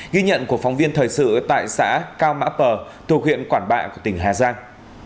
ghi nhận của phóng viên thời sự tại xã cao mã pờ thuộc huyện quản bạ của tỉnh hà giang